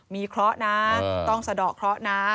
มีเคราะห์นะต้องสะดอกเคราะห์นะ